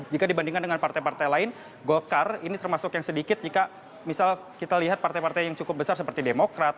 jika dibandingkan dengan partai partai lain golkar ini termasuk yang sedikit jika misal kita lihat partai partai yang cukup besar seperti demokrat